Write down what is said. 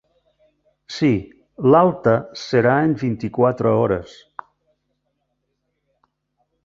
Sí, l'alta serà en vint-i-quatre hores.